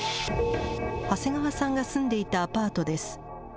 長谷川さんが住んでいたアパートです。